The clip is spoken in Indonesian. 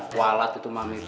kualat itu mami bro